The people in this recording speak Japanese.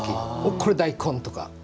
これ大根とか。